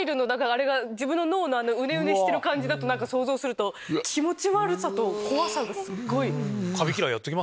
あれが自分の脳のウネウネしてる感じだと想像すると気持ち悪さと怖さがすっごい。